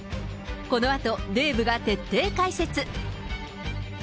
このあとデーブが徹底解説。